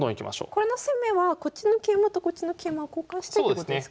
この攻めはこっちの桂馬とこっちの桂馬を交換してってことですか？